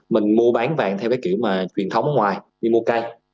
mình mua bán vàng theo cái kiểu mà truyền thống ở ngoài như mua cây